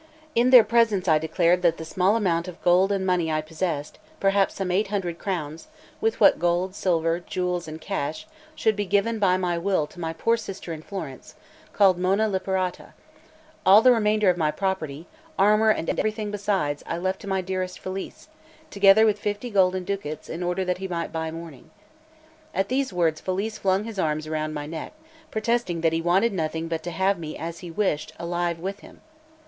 In their presence I declared that the small amount of gold and money I possessed, perhaps some eight hundred crowns, what with gold, silver, jewels, and cash, should be given by my will to my poor sister in Florence, called Mona Liperata; all the remainder of my property, armour and everything besides, I left to my dearest Felice, together with fifty golden ducats, in order that he might buy mourning. At those words Felice flung his arms around my neck, protesting that he wanted nothing but to have me as he wished alive with him.